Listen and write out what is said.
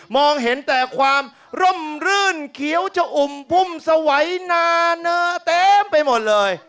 เห็นแต่ความร่มรื่นเขียวจะอุ่มพุ่มสวัยนาเนอเต็มไปหมดเลย